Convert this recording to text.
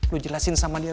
lo jelasin sama dia